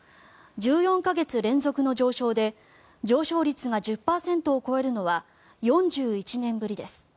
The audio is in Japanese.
１４か月連続の上昇で上昇率が１０％を超えるのは４１年ぶりです。